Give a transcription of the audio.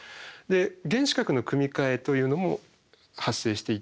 原子核の組み替えというのも発生していて。